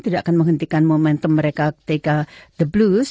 tidak akan menghentikan momentum mereka ketika the blues